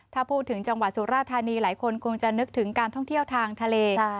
ถ้าพูดถึงจังหวัดสุราธานีหลายคนคงจะนึกถึงการท่องเที่ยวทางทะเล